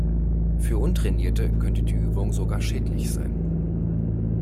Für Untrainierte könnte die Übung sogar schädlich sein.